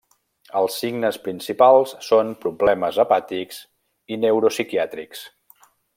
Els signes principals són problemes hepàtics i neuropsiquiàtrics.